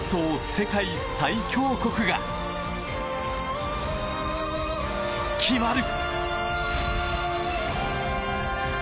世界最強国が決まる。